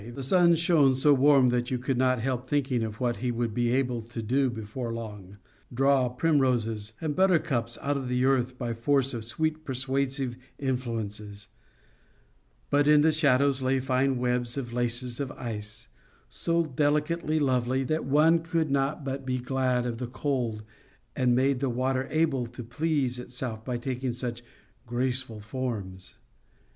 The sun shone so warm that you could not help thinking of what he would be able to do before long—draw primroses and buttercups out of the earth by force of sweet persuasive influences. But in the shadows lay fine webs and laces of ice, so delicately lovely that one could not but be glad of the cold that made the water able to please itself by taking such graceful forms.